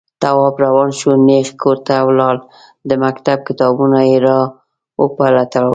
تواب روان شو، نېغ کور ته لاړ، د مکتب کتابونه يې راوپلټل.